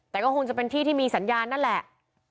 แต่ก็คงจะเป็นที่ที่มีสัญญาณนั่นแหละ